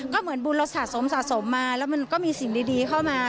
ก็เหมือนบุญเราสะสมสะสมมาแล้วมันก็มีสิ่งดีเข้ามา